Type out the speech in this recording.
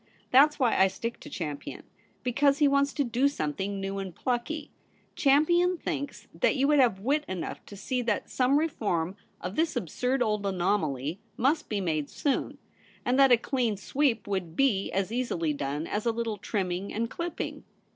That's why I stick to Champion ; because he wants to do some thing new and plucky. Champion thinks that you would have wit enough to see that some reform of this absurd old anomaly must be made soon, and that a clean sweep would be as easily done as a little trimming and clipping.